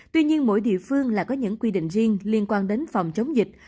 tuy nhiên mỗi địa phương lại có những quy định riêng liên quan đến phòng chống dịch